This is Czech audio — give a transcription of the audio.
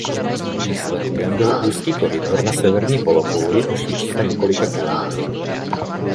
Výsledkem byl úzký koridor na severní polokouli o šířce několika kilometrů.